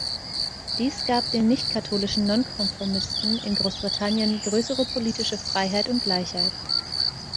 Dies gab den nicht-katholischen Nonkonformisten in Großbritannien größere politische Freiheit und Gleichheit.